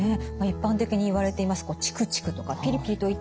一般的にいわれていますチクチクとかピリピリといった痛みとは違う